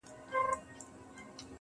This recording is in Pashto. ماته يې په نيمه شپه ژړلي دي,